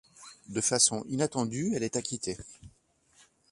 De façon inattendue, elle est acquittée.